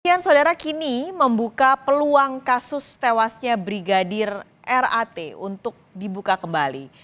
kepolisian saudara kini membuka peluang kasus tewasnya brigadir r a t untuk dibuka kembali